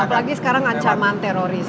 apalagi sekarang ancaman terorisme